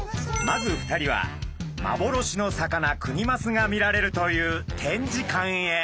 まず２人は幻の魚クニマスが見られるという展示館へ。